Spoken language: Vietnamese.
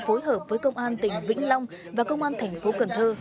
phối hợp với công an tỉnh vĩnh long và công an thành phố cần thơ